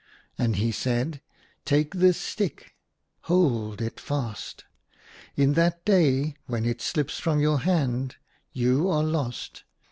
And he said, " Take this stick; hold it fast. In that day when it slips from your hand you are lost.